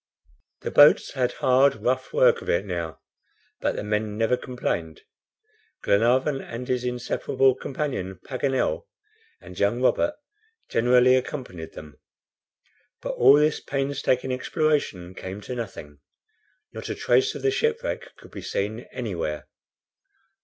The boats had hard, rough work of it now, but the men never complained. Glenarvan and his inseparable companion, Paganel, and young Robert generally accompanied them. But all this painstaking exploration came to nothing. Not a trace of the shipwreck could be seen anywhere.